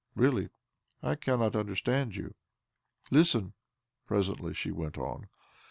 Really I cannot understand you." " Listen," presently she went on.